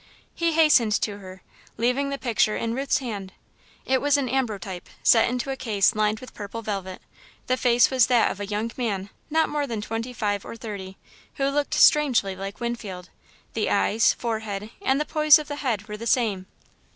He hastened to her, leaving the picture in Ruth's hand. It was an ambrotype, set into a case lined with purple velvet. The face was that of a young man, not more than twenty five or thirty, who looked strangely like Winfield. The eyes, forehead and the poise of the head were the same.